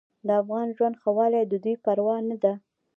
د افغان ژوند ښهوالی د دوی پروا نه ده.